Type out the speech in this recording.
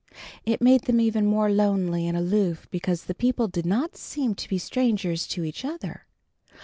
It made them even more lonely and aloof because the people did not seem to be strangers to each other.